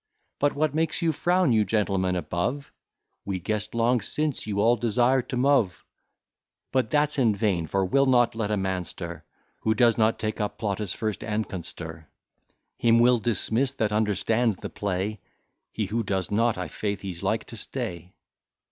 But what makes you frown, you gentlemen above? We guess'd long since you all desired to move: But that's in vain, for we'll not let a man stir, Who does not take up Plautus first, and conster, Him we'll dismiss, that understands the play; He who does not, i'faith, he's like to stay.